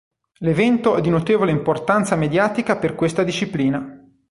L'evento è di notevole importanza mediatica per questa disciplina.